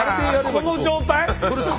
この状態